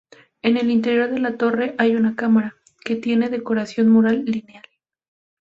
En el interior de la torre hay una cámara, que tiene decoración mural lineal.